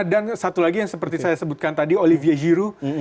dan satu lagi yang seperti saya sebutkan tadi olivier giroud